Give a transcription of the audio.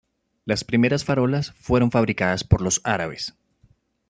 Las primeras farolas fueron fabricadas por los árabes.